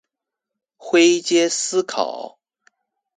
灰階思考